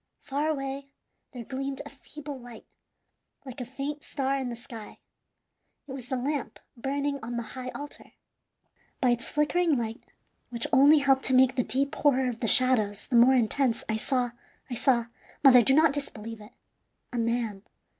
Far away there gleamed a feeble light, like a faint star in the sky; it was the lamp burning on the high altar. By its flickering light, which only helped to make the deep horror of the shadows the more intense, I saw I saw mother, do not disbelieve it a man.